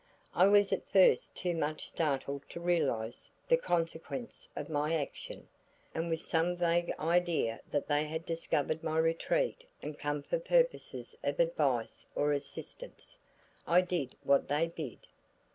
I was at first too much startled to realize the consequences of my action, and with some vague idea that they had discovered my retreat and come for purposes of advice or assistance, I did what they bid.